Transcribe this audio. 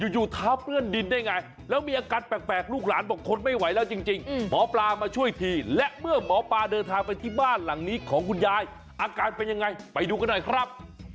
อยู่เท้าเปื้อนดินได้ไงแล้วมีอาการแปลกลูกหลานบอกทนไม่ไหวแล้วจริงหมอปลามาช่วยทีและเมื่อหมอปลาเดินทางไปที่บ้านหลังนี้ของคุณยายอาการเป็นยังไงไปดูกันหน่อยครับ